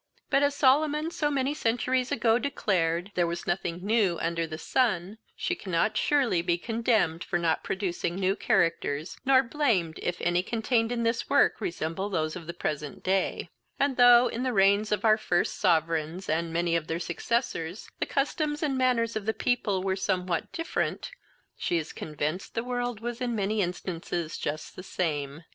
But, as Solomon so many centuries ago declared, there was nothing new under the sun, she cannot surely be condemned for not producing new characters, nor blamed if any contained in this work resemble those of the present day; and, though in the reigns of our first sovereigns, and many of their successors, the customs and manners of the people were somewhat different, she is convinced the world was in many instances just the same.